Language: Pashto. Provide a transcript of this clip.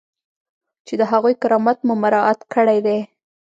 چې د هغوی کرامت مو مراعات کړی دی.